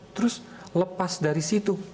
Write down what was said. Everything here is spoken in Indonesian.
terus lepas dari situ